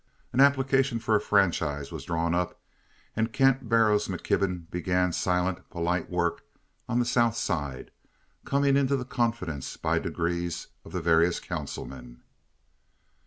An application for a franchise was drawn up, and Kent Barrows McKibben began silent, polite work on the South Side, coming into the confidence, by degrees, of the various councilmen.